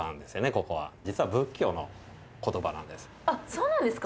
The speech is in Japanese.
そうなんですか？